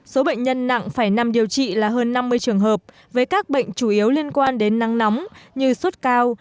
số bệnh nhân nặng phải nằm điều trị là hơn năm mươi trường hợp với các bệnh chủ yếu liên quan đến nắng nóng như sốt cao